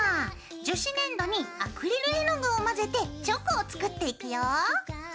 樹脂粘土にアクリル絵の具を混ぜてチョコを作っていくよ！